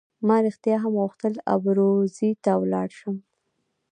ما رښتیا هم غوښتل ابروزي ته ولاړ شم.